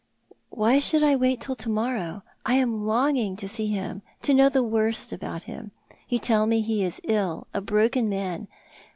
" Why should I wait till to morrow ? I am longing to see him — to know the worst about him. You tell me he is ill— a broken man.